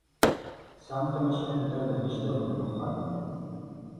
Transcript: Tesεam tamacint n tarda n yiceṭṭiḍen deg uxxam?